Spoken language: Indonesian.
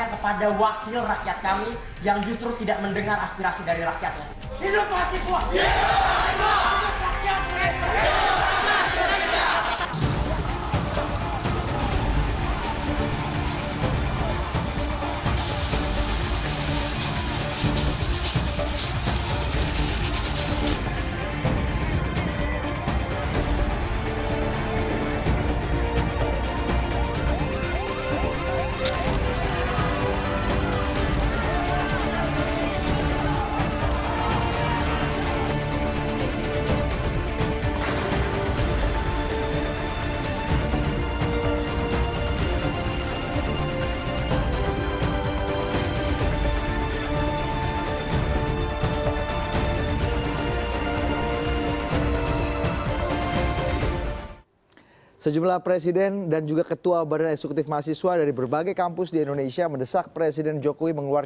ternyata bapak bapak sekalian masih belum mendengar